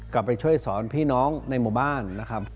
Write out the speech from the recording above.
ไปช่วยสอนพี่น้องในหมู่บ้านนะครับ